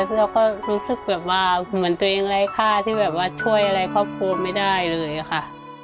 เราก็รู้สึกแบบว่าเหมือนตัวเองไร้ค่าที่แบบว่าช่วยอะไรครอบครัวไม่ได้เลยค่ะ